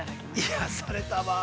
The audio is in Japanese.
◆癒やされたわあ。